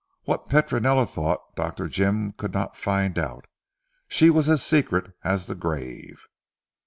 What Petronella thought Dr. Jim could not find out. She was as secret as the grave.